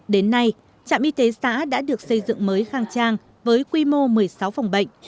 đến nay trạm y tế xã đã được xây dựng mới khang trang với quy mô một mươi sáu phòng bệnh